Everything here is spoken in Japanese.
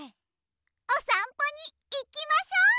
おさんぽにいきましょ！